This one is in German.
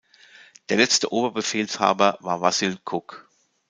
Der letzte Oberbefehlshaber war Wassyl Kuk.